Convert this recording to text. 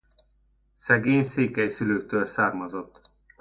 Szegény székely szülőktől származott.